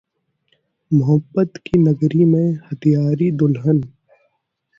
मोहब्बत की नगरी में हत्यारी दुल्हन!